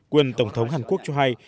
quyền tổng thống hàn quốc cho hay